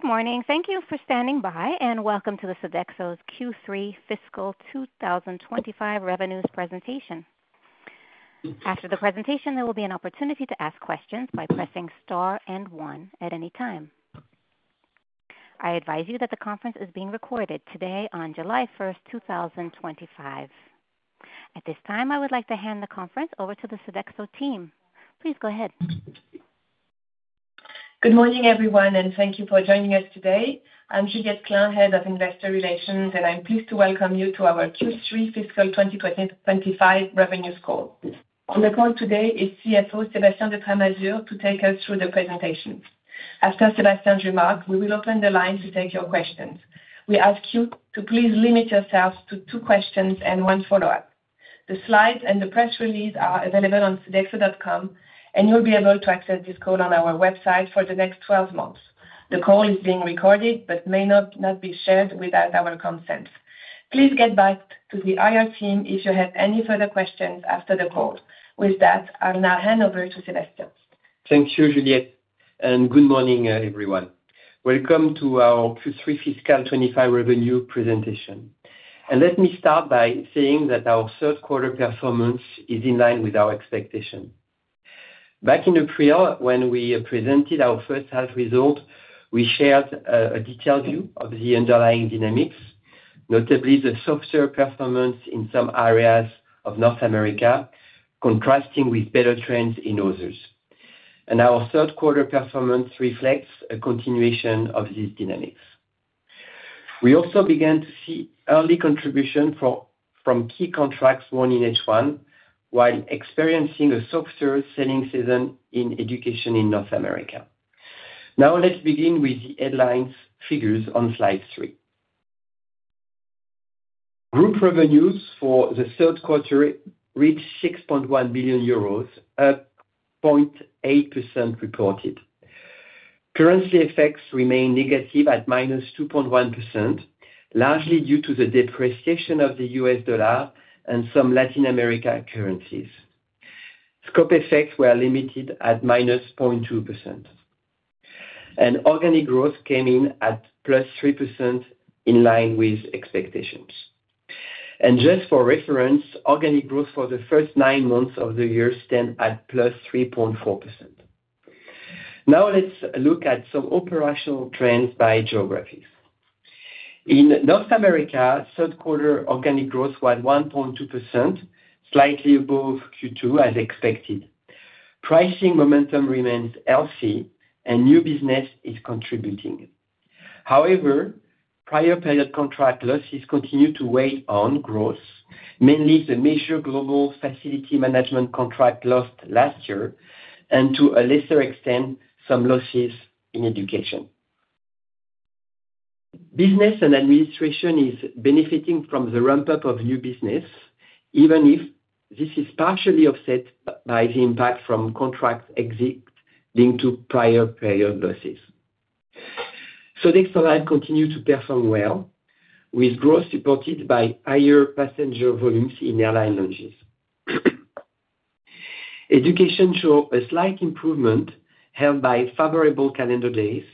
Good morning. Thank you for standing by, and welcome to Sodexo's Q3 Fiscal 2025 Revenues Presentation. After the presentation, there will be an opportunity to ask questions by pressing star and one at any time. I advise you that the conference is being recorded today on July 1, 2025. At this time, I would like to hand the conference over to the Sodexo team. Please go ahead. Good morning, everyone, and thank you for joining us today. I'm Juliette Klein, Head of Investor Relations, and I'm pleased to welcome you to our Q3 Fiscal 2025 revenues call. On the call today is CFO Sébastien de Tramasure to take us through the presentation. After Sébastien's remarks, we will open the line to take your questions. We ask you to please limit yourselves to two questions and one follow-up. The slides and the press release are available on Sodexo.com, and you'll be able to access this call on our website for the next 12 months. The call is being recorded but may not be shared without our consent. Please get back to the IR team if you have any further questions after the call. With that, I'll now hand over to Sébastien. Thank you, Juliette, and good morning, everyone. Welcome to our Q3 Fiscal 2025 revenue presentation. Let me start by saying that our third-quarter performance is in line with our expectations. Back in April, when we presented our first half result, we shared a detailed view of the underlying dynamics, notably the softer performance in some areas of North America, contrasting with better trends in others. Our third-quarter performance reflects a continuation of these dynamics. We also began to see early contributions from key contracts won in H1 while experiencing a softer selling season in education in North America. Now, let's begin with the headline figures on slide three. Group revenues for the third quarter reached 6.1 billion euros, up 0.8% reported. Currency effects remain negative at -2.1%, largely due to the depreciation of the US dollar and some Latin American currencies. Scope effects were limited at -0.2%. Organic growth came in at +3%, in line with expectations. Just for reference, organic growth for the first nine months of the year stands at +3.4%. Now, let's look at some operational trends by geographies. In North America, third-quarter organic growth was 1.2%, slightly above Q2, as expected. Pricing momentum remains healthy, and new business is contributing. However, prior-payer contract losses continue to weigh on growth, mainly the major global facility management contract loss last year and, to a lesser extent, some losses in education. Business and administration are benefiting from the ramp-up of new business, even if this is partially offset by the impact from contract exits linked to prior-payer losses. Sodexo has continued to perform well, with growth supported by higher passenger volumes in airline lounges. Education shows a slight improvement, held by favorable calendar days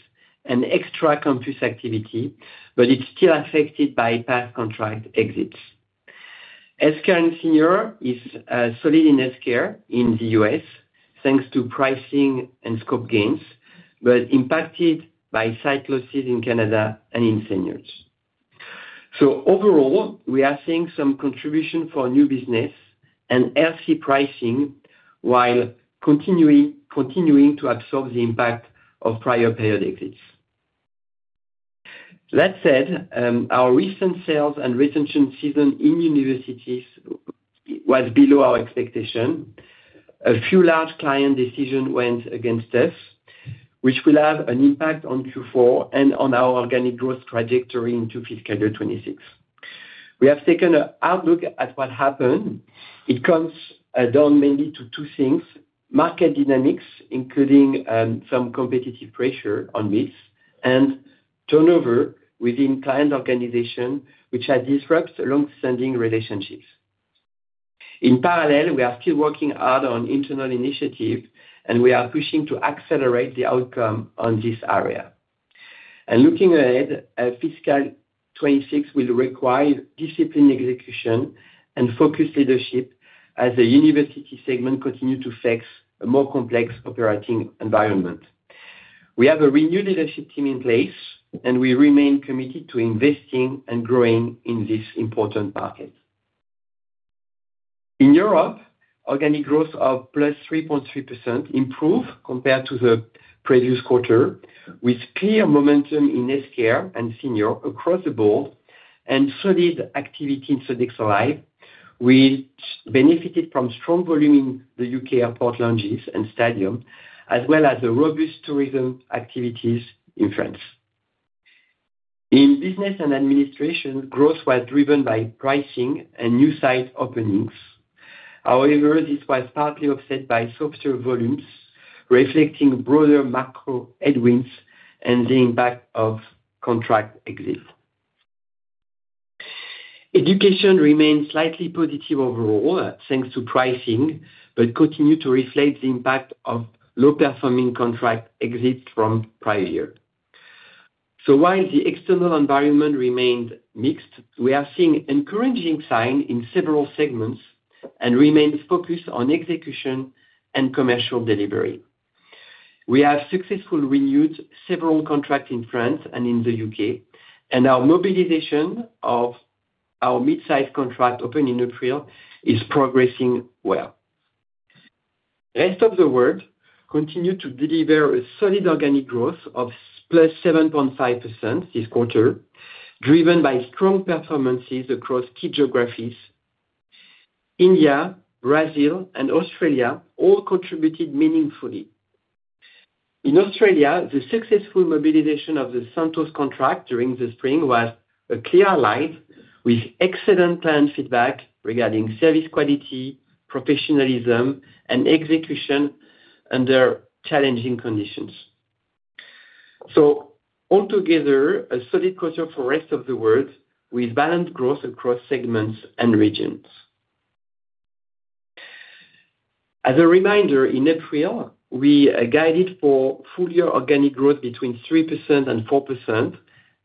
and extra campus activity, but it's still affected by past contract exits. Healthcare and seniors are solid in healthcare in the U.S., thanks to pricing and scope gains, but impacted by site losses in Canada and in seniors. Overall, we are seeing some contribution for new business and healthy pricing while continuing to absorb the impact of prior-payer exits. That said, our recent sales and retention season in universities was below our expectation. A few large client decisions went against us, which will have an impact on Q4 and on our organic growth trajectory into fiscal year 2026. We have taken an outlook at what happened. It comes down mainly to two things: market dynamics, including some competitive pressure on bids, and turnover within client organizations, which have disrupted long-standing relationships. In parallel, we are still working hard on internal initiatives, and we are pushing to accelerate the outcome on this area. Looking ahead, fiscal 2026 will require disciplined execution and focused leadership as the university segment continues to face a more complex operating environment. We have a renewed leadership team in place, and we remain committed to investing and growing in this important market. In Europe, organic growth of +3.3% improved compared to the previous quarter, with clear momentum in healthcare and seniors across the board and solid activity in Sodexo Live, which benefited from strong volume in the U.K. airport lounges and stadiums, as well as robust tourism activities in France. In business and administration, growth was driven by pricing and new site openings. However, this was partly offset by softer volumes, reflecting broader macro headwinds and the impact of contract exits. Education remained slightly positive overall, thanks to pricing, but continued to reflect the impact of low-performing contract exits from prior years. While the external environment remained mixed, we are seeing encouraging signs in several segments and remain focused on execution and commercial delivery. We have successfully renewed several contracts in France and in the U.K., and our mobilization of our mid-size contract opening in April is progressing well. Rest of the world continued to deliver a solid organic growth of +7.5% this quarter, driven by strong performances across key geographies. India, Brazil, and Australia all contributed meaningfully. In Australia, the successful mobilization of the Santos contract during the spring was a clear alliance with excellent client feedback regarding service quality, professionalism, and execution under challenging conditions. Altogether, a solid quarter for the rest of the world, with balanced growth across segments and regions. As a reminder, in April, we guided for full-year organic growth between 3% and 4%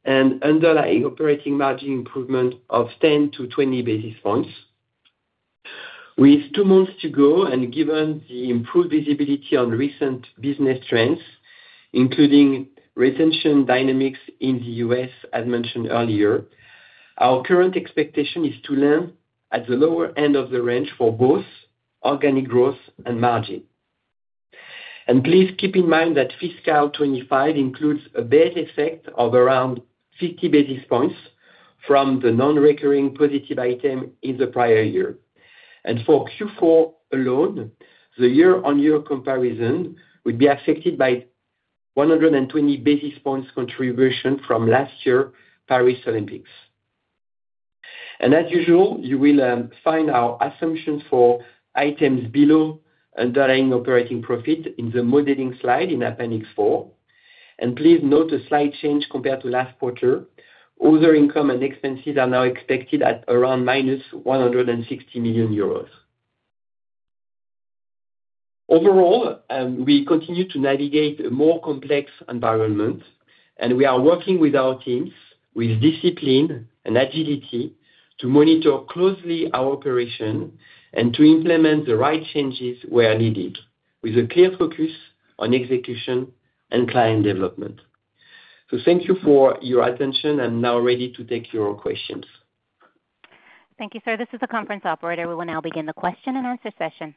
and underlying operating margin improvement of 10-20 basis points. With two months to go and given the improved visibility on recent business trends, including retention dynamics in the U.S., as mentioned earlier, our current expectation is to land at the lower end of the range for both organic growth and margin. Please keep in mind that fiscal 2025 includes a base effect of around 50 basis points from the non-recurring positive item in the prior year. For Q4 alone, the year-on-year comparison would be affected by 120 basis points contribution from last year's Paris Olympics. As usual, you will find our assumptions for items below underlying operating profit in the modeling slide in Appendix 4. Please note a slight change compared to last quarter. Other income and expenses are now expected at around 160 million euros. Overall, we continue to navigate a more complex environment, and we are working with our teams with discipline and agility to monitor closely our operation and to implement the right changes where needed, with a clear focus on execution and client development. Thank you for your attention. I'm now ready to take your questions. Thank you, sir. This is the conference operator. We will now begin the question-and-answer session.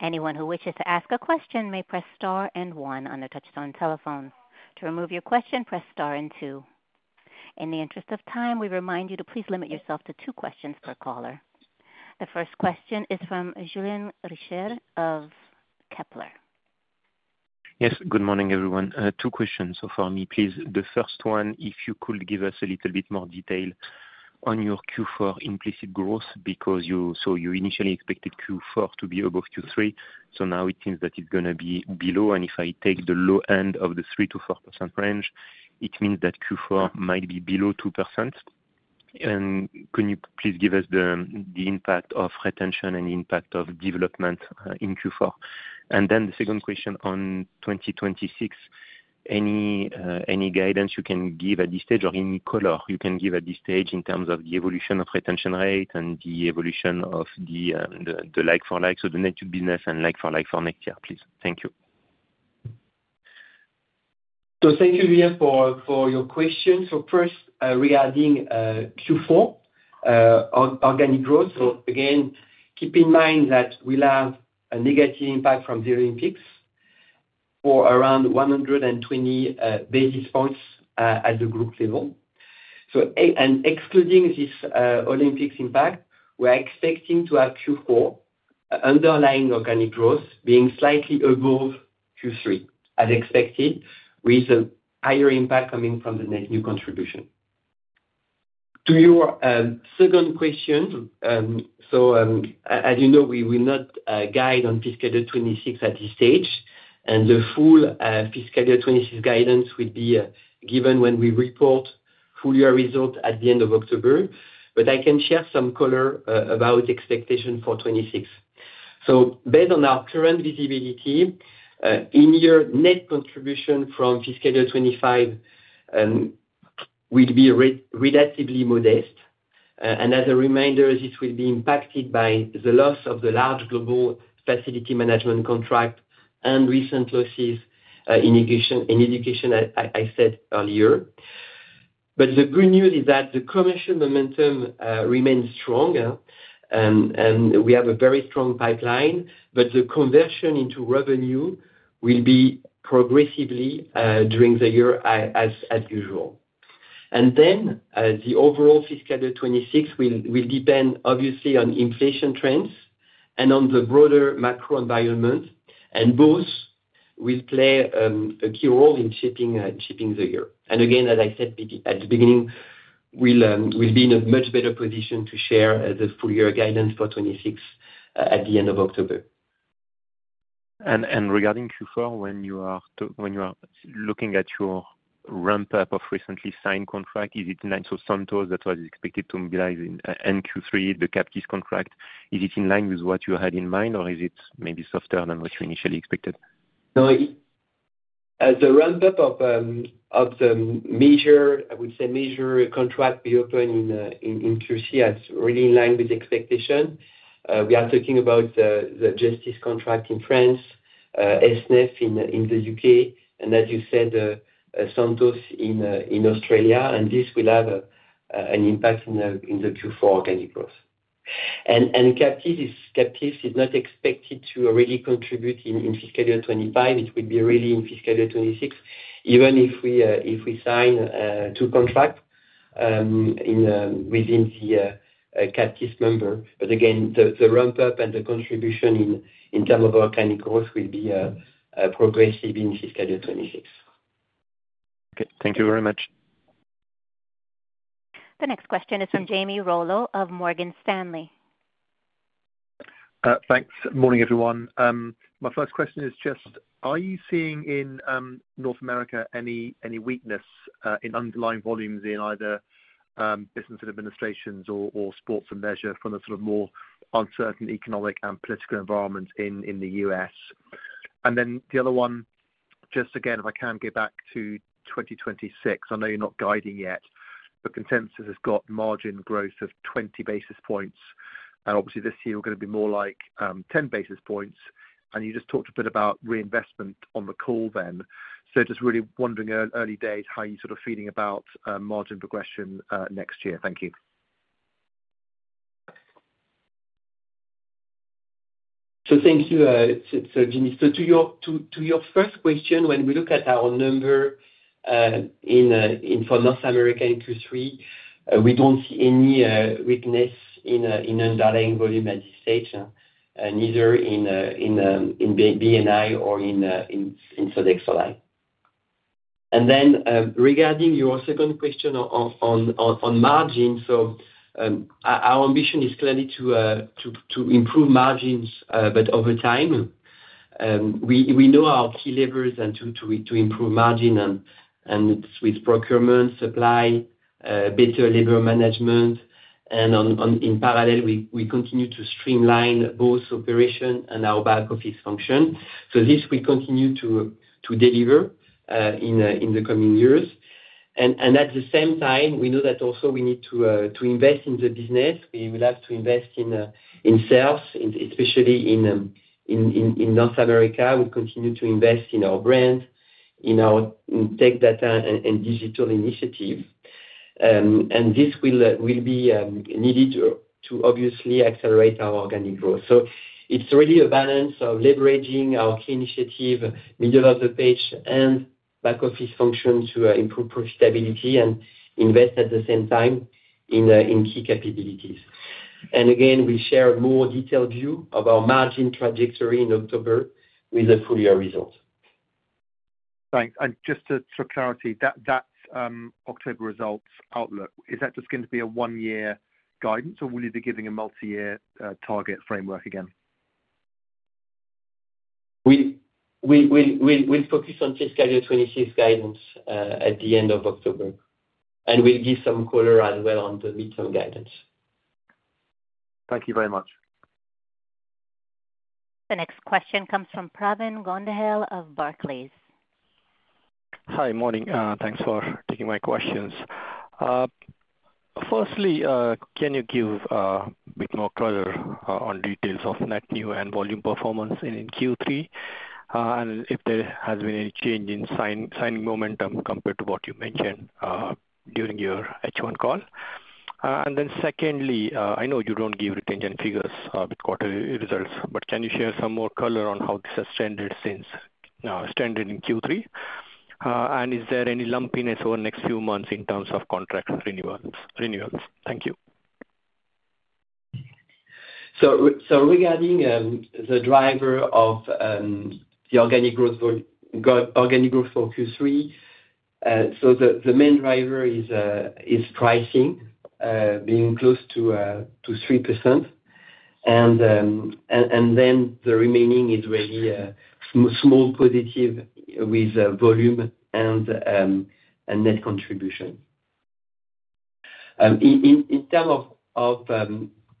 Anyone who wishes to ask a question may press star and one on the touchstone telephone. To remove your question, press star and two. In the interest of time, we remind you to please limit yourself to two questions per caller. The first question is from Julien Richer of Kepler. Yes, good morning, everyone. Two questions so far, please. The first one, if you could give us a little bit more detail on your Q4 implicit growth, because you initially expected Q4 to be above Q3, so now it seems that it's going to be below. If I take the low end of the 3-4% range, it means that Q4 might be below 2%. Can you please give us the impact of retention and the impact of development in Q4? The second question on 2026, any guidance you can give at this stage or any color you can give at this stage in terms of the evolution of retention rate and the evolution of the like-for-like, so the net-to-business and like-for-like for next year, please. Thank you. Thank you, Julien, for your questions. First, regarding Q4 organic growth, again, keep in mind that we'll have a negative impact from the Olympics for around 120 basis points at the group level. Excluding this Olympics impact, we're expecting to have Q4 underlying organic growth being slightly above Q3, as expected, with a higher impact coming from the net-to-contribution. To your second question, as you know, we will not guide on fiscal year 2026 at this stage, and the full fiscal year 2026 guidance would be given when we report full-year results at the end of October. I can share some color about expectations for 2026. Based on our current visibility, in-year net contribution from fiscal year 2025 will be relatively modest. As a reminder, this will be impacted by the loss of the large global facility management contract and recent losses in education, as I said earlier. The good news is that the commercial momentum remains strong, and we have a very strong pipeline, but the conversion into revenue will be progressively during the year, as usual. The overall fiscal year 2026 will depend, obviously, on inflation trends and on the broader macro environment, and both will play a key role in shaping the year. Again, as I said at the beginning, we'll be in a much better position to share the full-year guidance for 2026 at the end of October. Regarding Q4, when you are looking at your ramp-up of recently signed contracts, is it in line? Santos, that was expected to mobilize in Q3, the captive contract, is it in line with what you had in mind, or is it maybe softer than what you initially expected? As the ramp-up of the major, I would say, major contract be open in Q3, that's really in line with expectations. We are talking about the justice contract in France, SNF in the U.K., and as you said, Santos in Australia, and this will have an impact in the Q4 organic growth. Captive is not expected to really contribute in fiscal year 2025. It will be really in fiscal year 2026, even if we sign two contracts within the captive member. Again, the ramp-up and the contribution in terms of organic growth will be progressive in fiscal year 2026. Okay. Thank you very much. The next question is from Jamie Roland of Morgan Stanley. Thanks. Morning, everyone. My first question is just, are you seeing in North America any weakness in underlying volumes in either business and administrations or sports and leisure from the sort of more uncertain economic and political environment in the U.S.? The other one, just again, if I can go back to 2026, I know you're not guiding yet, but consensus has got margin growth of 20 basis points. Obviously, this year, we're going to be more like 10 basis points. You just talked a bit about reinvestment on the call then. Just really wondering, early days, how are you sort of feeling about margin progression next year? Thank you. Thank you, Jamie. To your first question, when we look at our number for North America in Q3, we do not see any weakness in underlying volume at this stage, neither in BNI or in Sodexo Live. Regarding your second question on margin, our ambition is clearly to improve margins, but over time. We know our key levers to improve margin are procurement, supply, and better labor management. In parallel, we continue to streamline both operations and our back-office function. We continue to deliver this in the coming years. At the same time, we know that we also need to invest in the business. We will have to invest in sales, especially in North America. We will continue to invest in our brand, in our tech data, and digital initiative. This will be needed to obviously accelerate our organic growth. It is really a balance of leveraging our key initiative, middle-of-the-page and back-office function to improve profitability and invest at the same time in key capabilities. Again, we will share a more detailed view of our margin trajectory in October with the full-year results. Thanks. And just for clarity, that October results outlook, is that just going to be a one-year guidance, or will you be giving a multi-year target framework again? We'll focus on fiscal year 2026 guidance at the end of October. We'll give some color as well on the mid-term guidance. Thank you very much. The next question comes from Praveen Gondahl of Barclays. Hi, morning. Thanks for taking my questions. Firstly, can you give a bit more color on details of net new and volume performance in Q3 and if there has been any change in signing momentum compared to what you mentioned during your H1 call? Secondly, I know you don't give retention figures with quarterly results, but can you share some more color on how this has trended since now it's trended in Q3? Is there any lumpiness over the next few months in terms of contract renewals? Thank you. Regarding the driver of the organic growth for Q3, the main driver is pricing being close to 3%. The remaining is really small positive with volume and net contribution. In terms of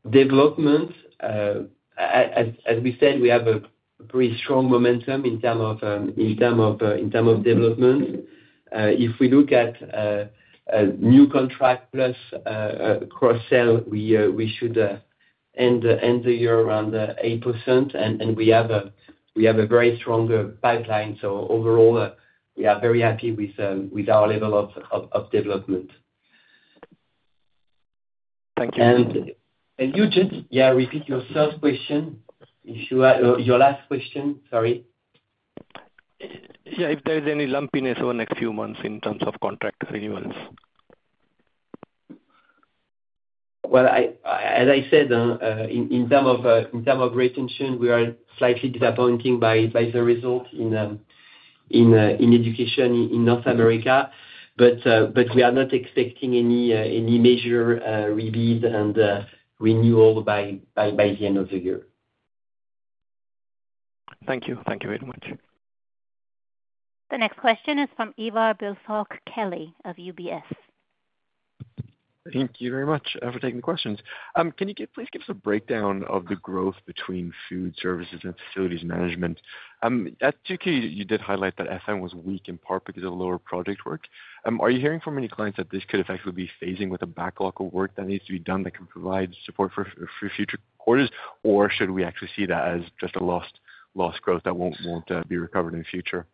development, as we said, we have a pretty strong momentum in terms of development. If we look at new contract plus cross-sell, we should end the year around 8%, and we have a very strong pipeline. Overall, we are very happy with our level of development. Thank you. Yeah, repeat your third question, your last question, sorry. Yeah, if there's any lumpiness over the next few months in terms of contract renewals. As I said, in terms of retention, we are slightly disappointed by the result in education in North America, but we are not expecting any major rebate and renewal by the end of the year. Thank you. Thank you very much. The next question is from Eva Bilsock Kelly of UBS. Thank you very much for taking the questions. Can you please give us a breakdown of the growth between food services and facilities management? At 2Q, you did highlight that FM was weak in part because of lower project work. Are you hearing from any clients that this could effectively be phasing with a backlog of work that needs to be done that can provide support for future quarters, or should we actually see that as just a lost growth that will not be recovered in the future?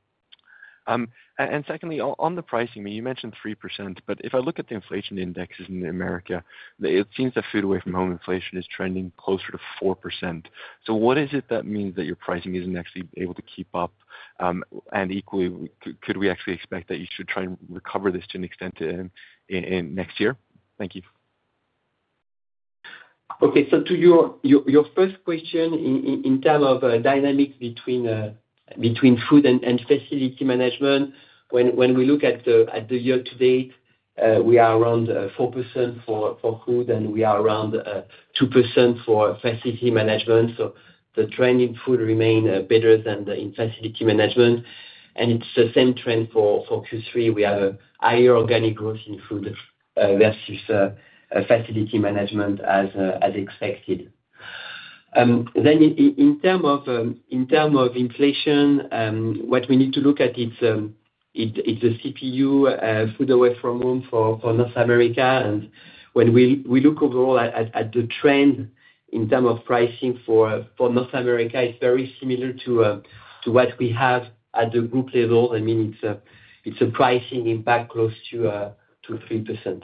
Secondly, on the pricing, you mentioned 3%, but if I look at the inflation indexes in America, it seems that food away from home inflation is trending closer to 4%. What is it that means that your pricing is not actually able to keep up? Could we actually expect that you should try and recover this to an extent next year? Thank you. Okay. To your first question, in terms of dynamics between food and facility management, when we look at the year to date, we are around 4% for food, and we are around 2% for facility management. The trend in food remains better than in facility management. It's the same trend for Q3. We have a higher organic growth in food versus facility management as expected. In terms of inflation, what we need to look at is the CPU, food away from home for North America. When we look overall at the trend in terms of pricing for North America, it's very similar to what we have at the group level. I mean, it's a pricing impact close to 3%.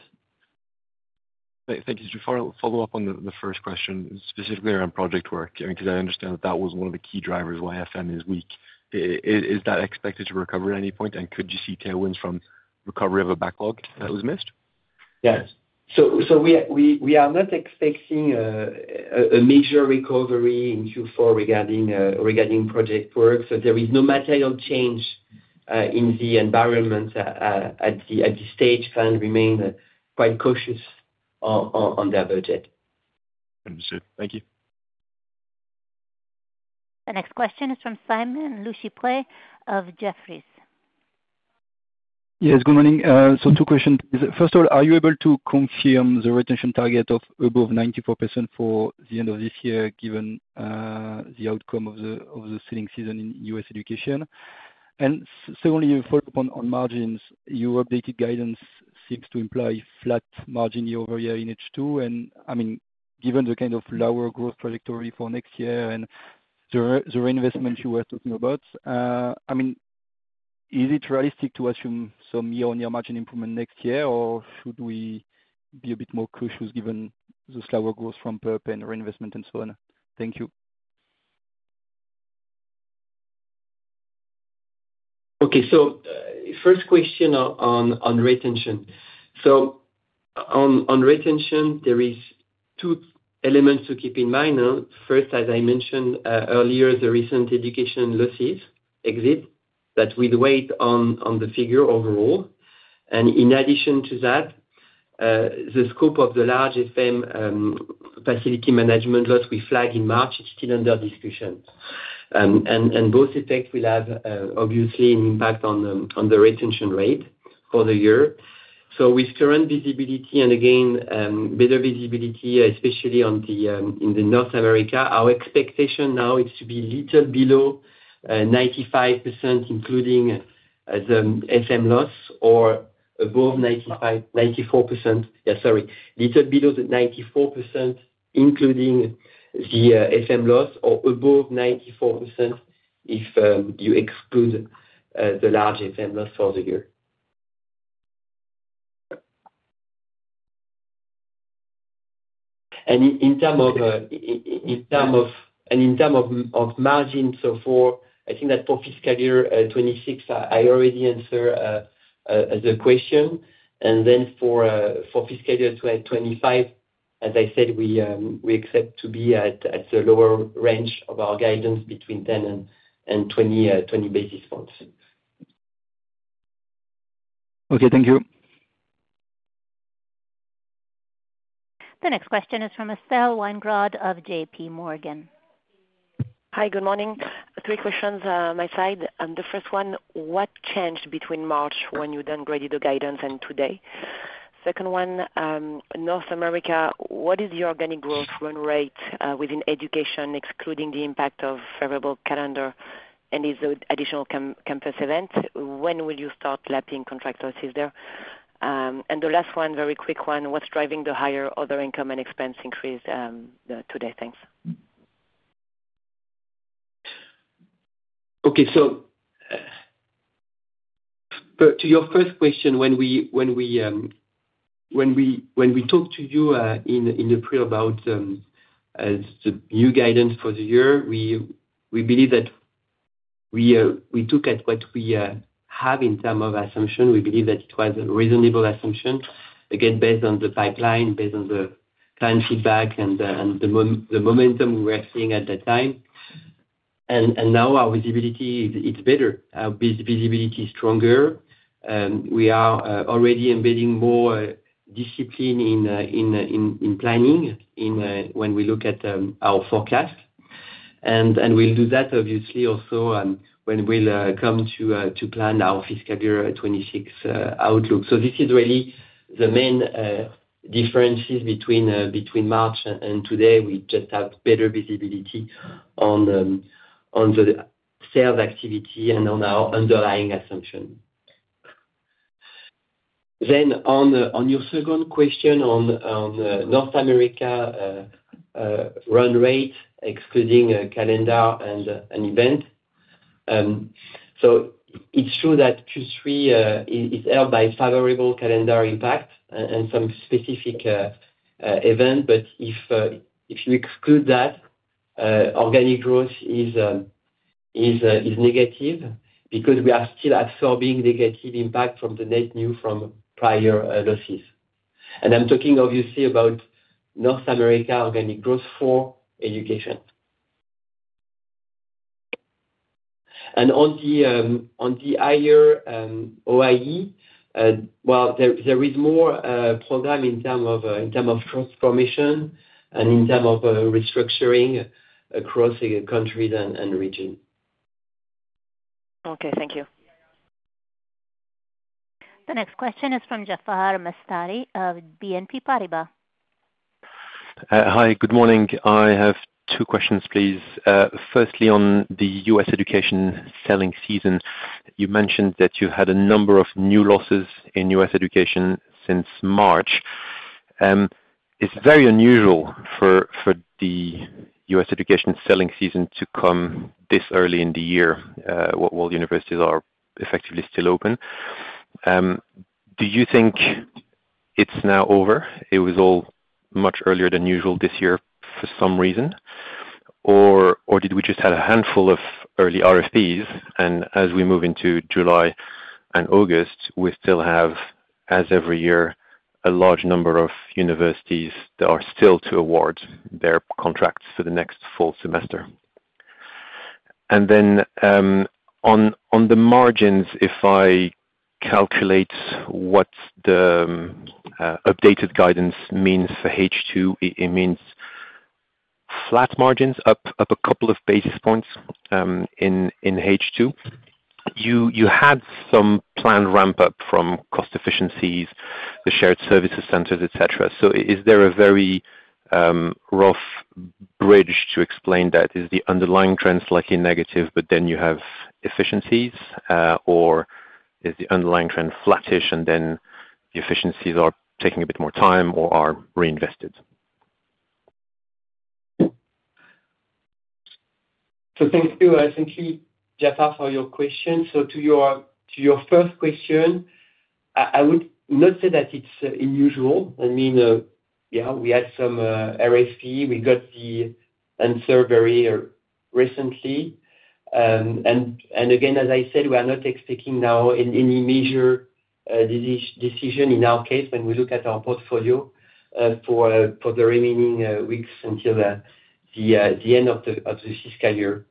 Thank you. Just to follow up on the first question, specifically around project work, because I understand that that was one of the key drivers why FM is weak. Is that expected to recover at any point? Could you see tailwinds from recovery of a backlog that was missed? Yes. We are not expecting a major recovery in Q4 regarding project work. There is no material change in the environment at this stage. Funds remain quite cautious on their budget. Understood. Thank you. The next question is from Simon Lechipre of Jefferies. Yes, good morning. Two questions. First of all, are you able to confirm the retention target of above 94% for the end of this year, given the outcome of the ceiling season in U.S. education? Secondly, you followed up on margins. Your updated guidance seems to imply flat margin year over year in H2. I mean, given the kind of lower growth trajectory for next year and the reinvestment you were talking about, I mean, is it realistic to assume some year-on-year margin improvement next year, or should we be a bit more cautious given the slower growth from PEP and reinvestment and so on? Thank you. Okay. First question on retention. On retention, there are two elements to keep in mind. First, as I mentioned earlier, the recent education losses exit that would weigh on the figure overall. In addition to that, the scope of the large FM facility management loss we flagged in March is still under discussion. Both effects will have, obviously, an impact on the retention rate for the year. With current visibility and, again, better visibility, especially in North America, our expectation now is to be a little below 94%, including the FM loss, or above 94% if you exclude the large FM loss for the year. In terms of margin so far, I think that for fiscal year 2026, I already answered the question. For fiscal year 2025, as I said, we expect to be at the lower range of our guidance between 10 and 20 basis points. Okay. Thank you. The next question is from Estelle Weingrod of JP Morgan. Hi, good morning. Three questions on my side. The first one, what changed between March when you downgraded the guidance and today? Second one, North America, what is the organic growth run rate within education, excluding the impact of favorable calendar and these additional campus events? When will you start lapping contractors? Is there? The last one, very quick one, what's driving the higher other income and expense increase today? Thanks. Okay. To your first question, when we talked to you in April about the new guidance for the year, we believe that we took at what we have in terms of assumption. We believe that it was a reasonable assumption, again, based on the pipeline, based on the client feedback, and the momentum we were seeing at that time. Now our visibility, it's better. Our visibility is stronger. We are already embedding more discipline in planning when we look at our forecast. We will do that, obviously, also when we come to plan our fiscal year 2026 outlook. This is really the main differences between March and today. We just have better visibility on the sales activity and on our underlying assumption. On your second question on North America run rate, excluding calendar and event, it is true that Q3 is held by favorable calendar impact and some specific event. If you exclude that, organic growth is negative because we are still absorbing negative impact from the net new from prior losses. I am talking, obviously, about North America organic growth for education. On the higher OIE, there is more program in terms of transformation and in terms of restructuring across countries and regions. Okay. Thank you. The next question is from Jaafar Mestari of BNP Paribas. Hi, good morning. I have two questions, please. Firstly, on the U.S. education selling season, you mentioned that you had a number of new losses in U.S. education since March. It's very unusual for the U.S. education selling season to come this early in the year while universities are effectively still open. Do you think it's now over? It was all much earlier than usual this year for some reason, or did we just have a handful of early RFPs? As we move into July and August, we still have, as every year, a large number of universities that are still to award their contracts for the next fall semester. On the margins, if I calculate what the updated guidance means for H2, it means flat margins up a couple of basis points in H2. You had some planned ramp-up from cost efficiencies, the shared services centers, etc. Is there a very rough bridge to explain that? Is the underlying trend slightly negative, but then you have efficiencies, or is the underlying trend flattish, and then the efficiencies are taking a bit more time or are reinvested? Thank you, Jaafar, for your question. To your first question, I would not say that it's unusual. I mean, yeah, we had some RFP. We got the answer very recently. Again, as I said, we are not expecting now any major decision in our case when we look at our portfolio for the remaining weeks until the end of the fiscal year.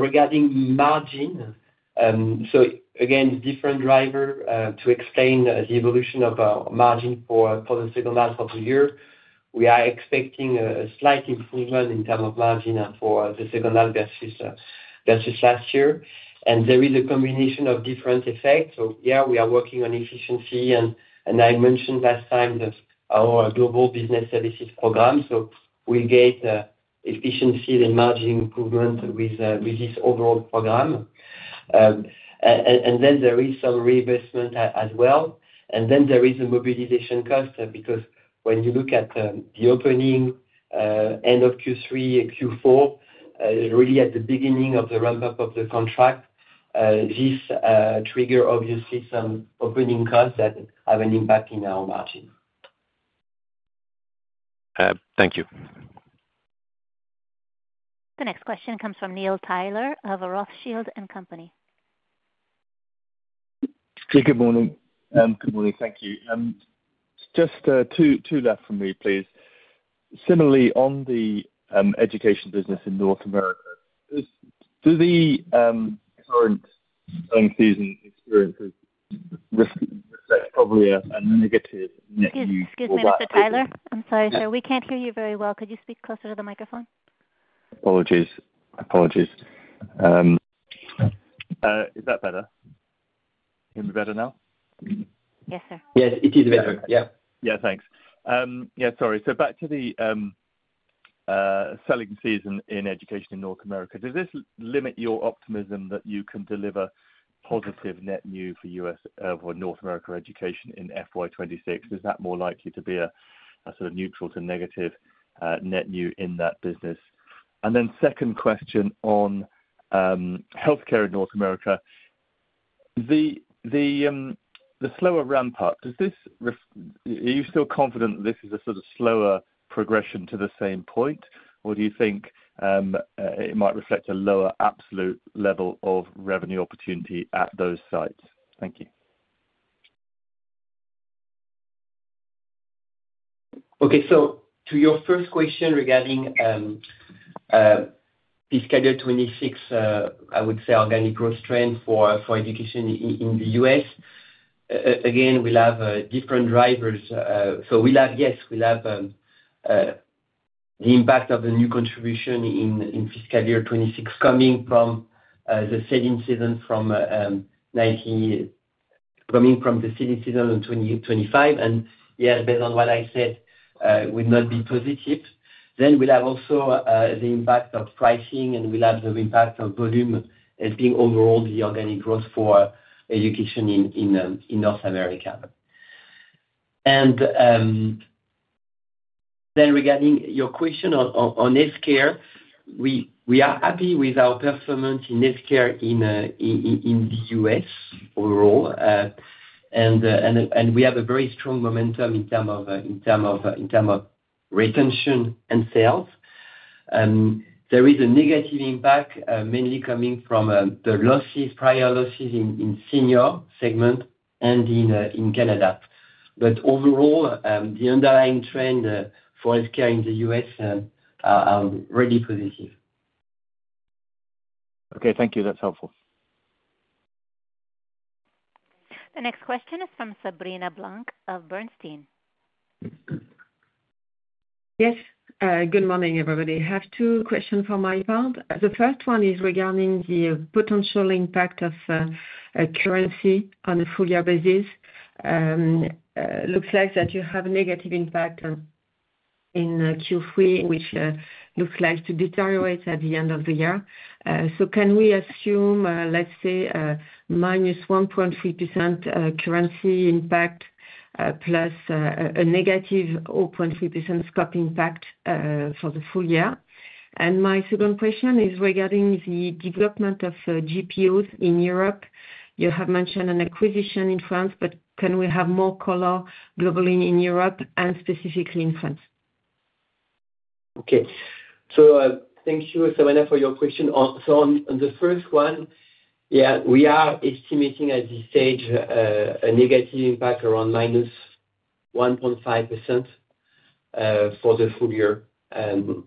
Regarding margin, again, different driver to explain the evolution of our margin for the second half of the year. We are expecting a slight improvement in terms of margin for the second half versus last year. There is a combination of different effects. Yeah, we are working on efficiency. I mentioned last time our global business services program. We get efficiency and margin improvement with this overall program. There is some reinvestment as well. There is a mobilization cost because when you look at the opening end of Q3, Q4, really at the beginning of the ramp-up of the contract, this triggers, obviously, some opening costs that have an impact in our margin. Thank you. The next question comes from Neil Tyler of Rothschild & Company. Good morning. Thank you. Just two left for me, please. Similarly, on the education business in North America, do the current selling season experiences reflect probably a negative net new? Excuse me, Mr. Tyler. I'm sorry, sir. We can't hear you very well. Could you speak closer to the microphone? Apologies. Is that better? Can you hear me better now? Yes, sir. Yes, it is better. Yeah. Yeah. Thanks. Yeah. Sorry. Back to the selling season in education in North America, does this limit your optimism that you can deliver positive net new for North America education in FY2026? Is that more likely to be a sort of neutral to negative net new in that business? Second question on healthcare in North America, the slower ramp-up, are you still confident that this is a sort of slower progression to the same point, or do you think it might reflect a lower absolute level of revenue opportunity at those sites? Thank you. Okay. To your first question regarding fiscal year 2026, I would say organic growth trend for education in the U.S., again, we'll have different drivers. Yes, we'll have the impact of the new contribution in fiscal year 2026 coming from the selling season from 2019 coming from the selling season of 2025. Yeah, based on what I said, it will not be positive. We will also have the impact of pricing, and we will have the impact of volume as being overall the organic growth for education in North America. Regarding your question on healthcare, we are happy with our performance in healthcare in the U.S. overall. We have a very strong momentum in terms of retention and sales. There is a negative impact, mainly coming from the losses, prior losses in the senior segment and in Canada. Overall, the underlying trend for healthcare in the U.S. are really positive. Okay. Thank you. That's helpful. The next question is from Sabrina Blanc of Bernstein. Yes. Good morning, everybody. I have two questions for my part. The first one is regarding the potential impact of currency on a full-year basis. It looks like that you have a negative impact in Q3, which looks like to deteriorate at the end of the year. Can we assume, let's say, minus 1.3% currency impact plus a negative 0.3% scope impact for the full year? My second question is regarding the development of GPOs in Europe. You have mentioned an acquisition in France, but can we have more color globally in Europe and specifically in France? Okay. Thank you, Sabrina, for your question. On the first one, yeah, we are estimating at this stage a negative impact around -1.5% for the full year coming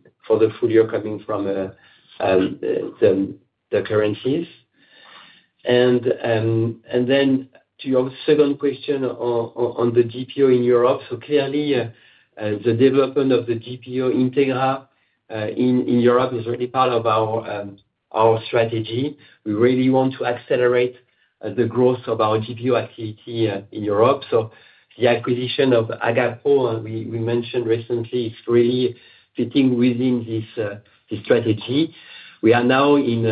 from the currencies. To your second question on the GPO in Europe, clearly, the development of the GPO Integra in Europe is really part of our strategy. We really want to accelerate the growth of our GPO activity in Europe. The acquisition of Agapo, we mentioned recently, is really fitting within this strategy. We are now in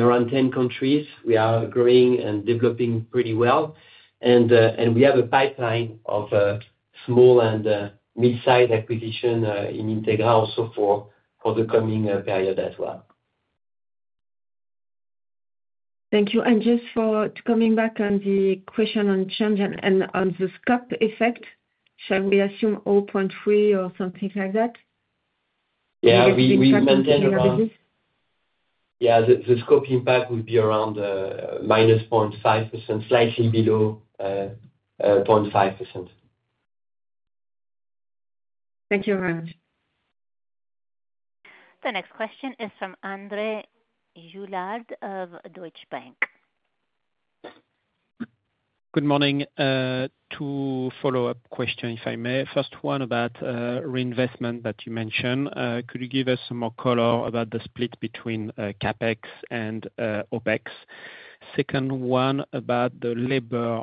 around 10 countries. We are growing and developing pretty well. We have a pipeline of small and mid-sized acquisition in Integra also for the coming period as well. Thank you. Just for coming back on the question on change and on the scope effect, shall we assume 0.3 or something like that? Yeah. We maintain around. Scope impact? Yeah. The scope impact would be around minus 0.5%, slightly below 0.5%. Thank you very much. The next question is from André Juillard of Deutsche Bank. Good morning. Two follow-up questions, if I may. First one about reinvestment that you mentioned. Could you give us some more color about the split between CAPEX and OPEX? Second one about the labor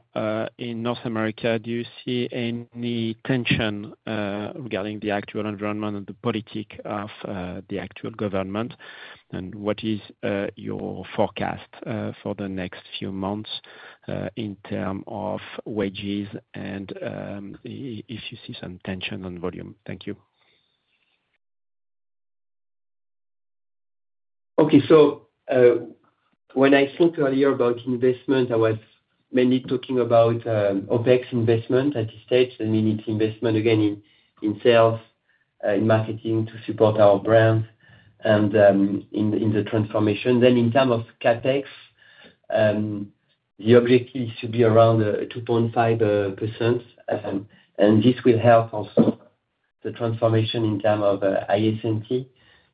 in North America. Do you see any tension regarding the actual environment and the politics of the actual government? What is your forecast for the next few months in terms of wages and if you see some tension on volume? Thank you. Okay. When I spoke earlier about investment, I was mainly talking about OPEX investment at this stage. I mean, it's investment, again, in sales, in marketing to support our brand and in the transformation. In terms of CAPEX, the objective should be around 2.5%. This will help also the transformation in terms of IS&T.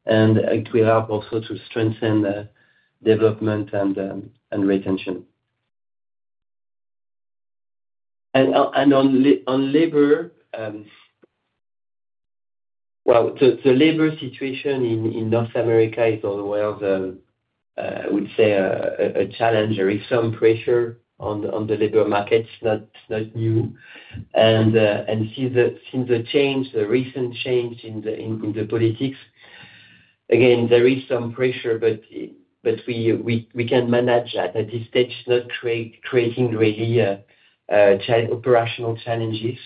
It will help also to strengthen the development and retention. On labor, the labor situation in North America is always, I would say, a challenge. There is some pressure on the labor market. It's not new. Since the change, the recent change in the politics, again, there is some pressure, but we can manage at this stage not creating really operational challenges.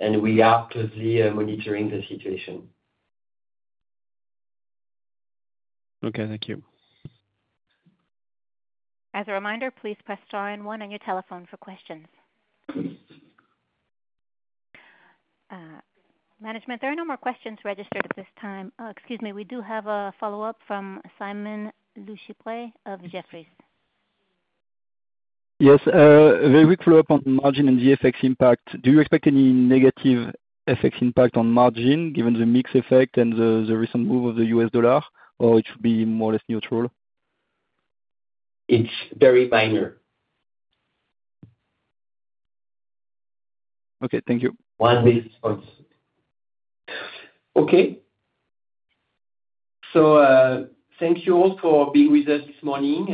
We are closely monitoring the situation. Okay. Thank you. As a reminder, please press star and one on your telephone for questions. Management, there are no more questions registered at this time. Excuse me. We do have a follow-up from Simon Lechipre of Jefferies. Yes. Very quick follow-up on margin and the effects impact. Do you expect any negative effects impact on margin given the mixed effect and the recent move of the US dollar, or it should be more or less neutral? It's very minor. Okay. Thank you. One minute. Okay. Thank you all for being with us this morning.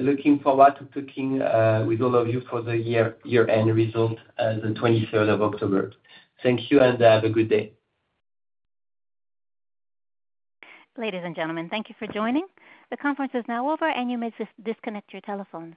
Looking forward to talking with all of you for the year-end result on the 23rd of October. Thank you, and have a good day. Ladies and gentlemen, thank you for joining. The conference is now over, and you may disconnect your telephone.